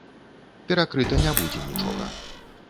Перакрыта не будзе нічога.